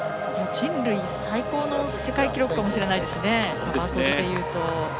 人類最高の世界記録かもしれないですね。